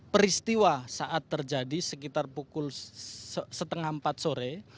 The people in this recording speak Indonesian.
peristiwa saat terjadi sekitar pukul setengah empat sore